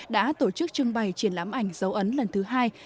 đã tổ chức trưng bày triển lãm ảnh dấu ấn lần thứ hai